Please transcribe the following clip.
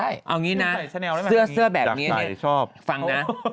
เอาอย่างนี้นะเสื้อแบบนี้ฟังนะ